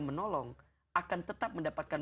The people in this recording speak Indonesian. menolong akan tetap mendapatkan